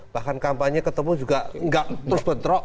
bahkan kampanye ketemu juga nggak terus bentrok